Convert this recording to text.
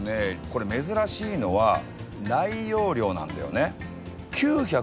これ珍しいのは内容量なんだよね。